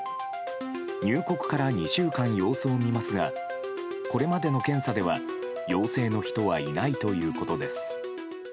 入国から２週間様子を見ますがこれまでの検査では、陽性の人はいないということです。